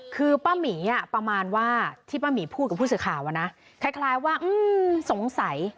คือป้าหมีประมาณว่าที่ป้าหมีพูดกับผู้สื่อข่าวนะคล้ายว่าสงสัย